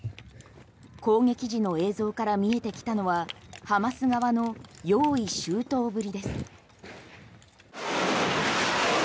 攻撃時の映像から見えてきたのはハマス側の用意周到ぶりです。